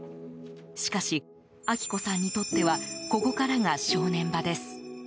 しかし、明子さんにとってはここからが正念場です。